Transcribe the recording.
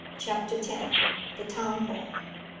CHAPTER X. THE TOWN HALL.